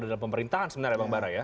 ada pemerintahan sebenarnya ya bang bara ya